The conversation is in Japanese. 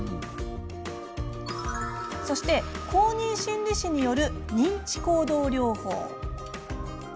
そして公認心理士による認知行動療法。